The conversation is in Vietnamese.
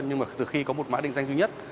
nhưng mà từ khi có một mã định danh duy nhất